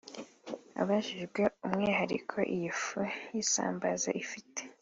Abajijwe umwihariko iyi fu y’isambaza ifite